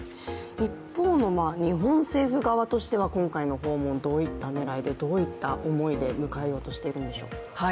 一方の日本政府側として今回の訪問、どういった狙いで、どういった思いで迎えようとしているんでしょうか？